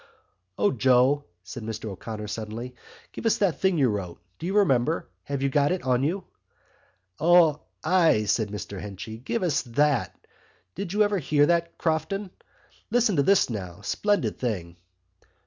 "O, Joe," said Mr O'Connor suddenly. "Give us that thing you wrote—do you remember? Have you got it on you?" "O, ay!" said Mr Henchy. "Give us that. Did you ever hear that, Crofton? Listen to this now: splendid thing."